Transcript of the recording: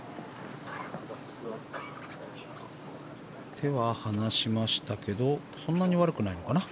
手は離しましたけどそんなに悪くないのかな。